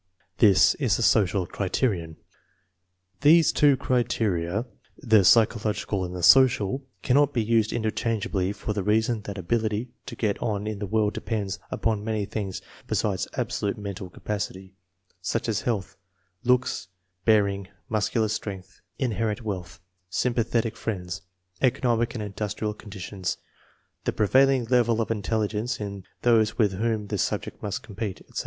This is the social criterion. These two criteria, the psychological and the social, cannot be used interchangeably for the reason that ability to get on in the world depends upon many things besides 128 INTELLIGENCE OF SCHOOL CHILDREN absolute mental capacity, such as health, looks, bear ing, muscular strength, inherited wealth, sympathetic friends, economic and industrial conditions, the pre vailing level of intelligence in those with whom the subject must compete, etc.